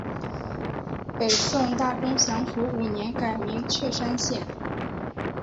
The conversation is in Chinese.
北宋大中祥符五年改名确山县。